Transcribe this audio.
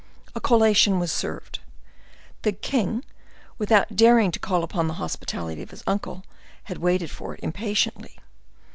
A collation was served. The king, without daring to call upon the hospitality of his uncle, had waited for it impatiently.